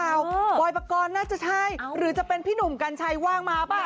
เออปลอยประกอบน่าจะใช่เอาหรือจะเป็นพี่หนุ่มกันใช้ว่างมาเปล่า